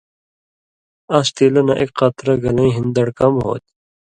اَس تیلہ نہ ایک قطرہ گلَیں ہِن دڑ کم ہوتھی۔